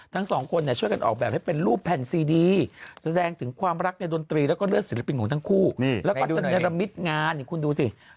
ทั้งสองคนช่วยกันออกแบบให้เป็นรูปแผ่นซีดีแสดงถึงความรักในดนตรีแล้วก็เลือดศิลปินของทั้งคู่